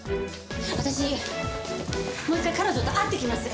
私もう一回彼女と会ってきます！